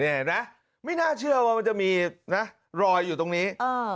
นี่นะไม่น่าเชื่อว่ามันจะมีนะรอยอยู่ตรงนี้